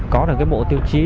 có được cái bộ tiêu chí